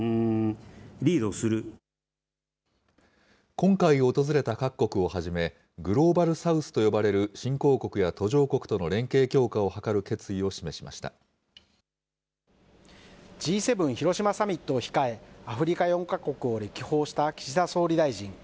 今回訪れた各国をはじめ、グローバル・サウスと呼ばれる新興国や途上国との連携強化を図るＧ７広島サミットを控え、アフリカ４か国を歴訪した岸田総理大臣。